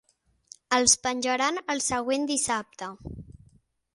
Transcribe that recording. Els penjaran el següent dissabte.